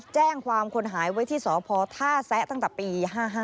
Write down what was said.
แจ้งความคนหายไว้ที่สพท่าแซะตั้งแต่ปี๕๕